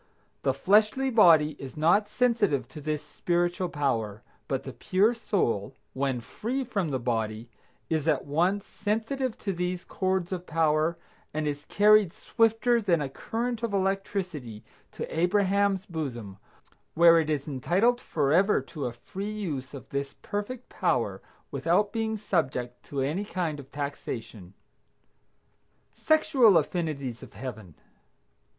The fleshly body is not sensitive to this spiritual power, but the pure soul, when free from the body, is at once sensitive to these chords of power and is carried swifter than a current of electricity to Abraham's bosom, where it is entitled forever to a free use of this perfect power without being subject to any kind of taxation. SEXUAL AFFINITIES OF HEAVEN.